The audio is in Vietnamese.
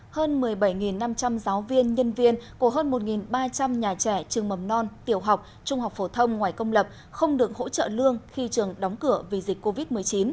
hơn một mươi bảy năm trăm linh giáo viên nhân viên của hơn một ba trăm linh nhà trẻ trường mầm non tiểu học trung học phổ thông ngoài công lập không được hỗ trợ lương khi trường đóng cửa vì dịch covid một mươi chín